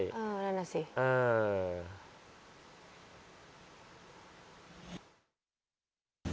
อันนี้สิ